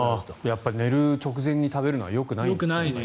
やっぱり寝る直前に食べるのはよくないんですね。